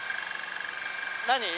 何？